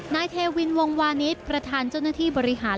นายเทวินวงวานิสประธานเจ้าหน้าที่บริหาร